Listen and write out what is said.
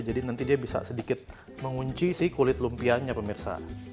jadi nanti dia bisa sedikit mengunci si kulit lumpianya pemirsa